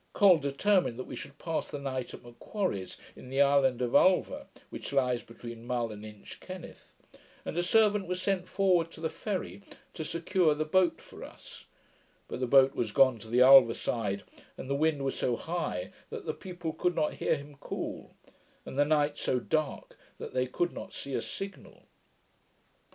Col determined that we should pass the night at M'Quarrie's, in the island of Ulva, which lies between Mull and Inchkenneth; and a servant was sent forward to the ferry, to secure the boat for us: but the boat was gone to the Ulva side, and the wind was so high that the people could not hear him call; and the night so dark that they could not see a signal.